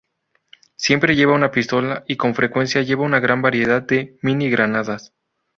Siempre lleva una pistola y con frecuencia lleva a una gran variedad de mini-granadas.